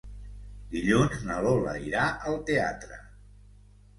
Dilluns na Lola irà al teatre.